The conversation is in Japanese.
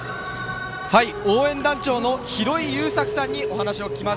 応援団長のひろいゆうさくさんにお話を聞きます。